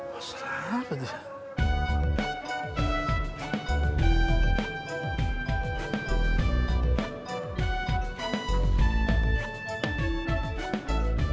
masalah apa tuh